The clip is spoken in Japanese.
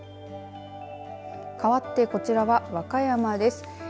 かわって、こちらは和歌山です。